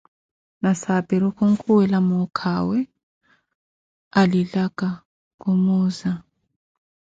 Nasapiru khukhuwela muukha awe alilaka, khumuuza.